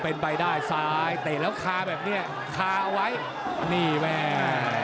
เป็นไปได้ซ้ายเตะแล้วคาแบบเนี้ยคาเอาไว้นี่แม่